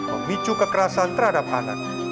memicu kekerasan terhadap anak